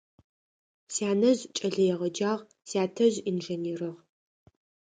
Сянэжъ кӏэлэегъэджагъ, сятэжъ инженерыгъ.